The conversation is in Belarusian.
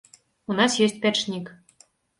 У нас ёсць пячнік.